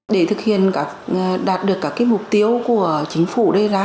để thực hiện đạt được các mục tiêu của chính phủ đề ra